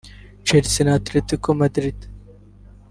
Chelsea na Atletico Madrid